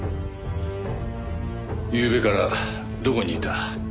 ゆうべからどこにいた？